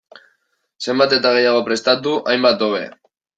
Zenbat eta gehiago prestatu, hainbat hobe.